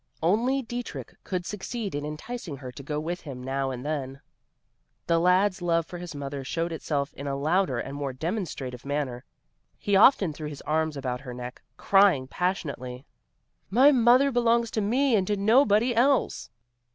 Only Dietrich could succeed in enticing her to go with him now and then. The lad's love for his mother showed itself in a louder and more demonstrative manner. He often threw his arms about her neck, crying passionately, "My mother belongs to me and to nobody else."